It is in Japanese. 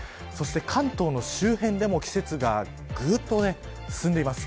関東の周辺でも、季節がぐっと進んでいます。